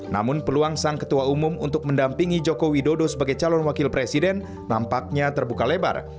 namun peluang sang ketua umum untuk mendampingi joko widodo sebagai calon wakil presiden nampaknya terbuka lebar